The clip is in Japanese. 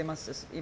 今。